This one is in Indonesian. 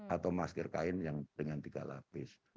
atau masker kain yang dengan tiga lapis